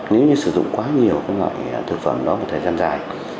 nếu như sử dụng quá nhiều loại thực phẩm đó một thời gian dài